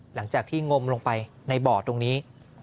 หลังจากที่งมลงไปในบ่อตรงนี้